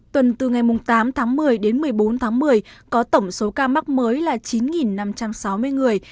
tuần từ ngày tám tháng một mươi đến một mươi bốn tháng một mươi có tổng số ca mắc mới là chín năm trăm sáu mươi người